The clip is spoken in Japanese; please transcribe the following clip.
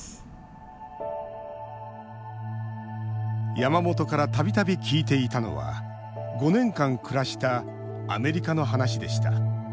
山本からたびたび聞いていたのは５年間暮らしたアメリカの話でした。